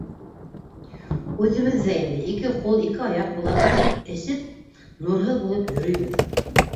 Үҙебеҙ ҙә инде, ике ҡул, ике аяҡ була тороп, эсеп нурһыҙ булып йөрөйбөҙ.